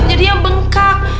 jadi dia bengkak